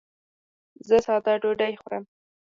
زه ساده ډوډۍ خورم.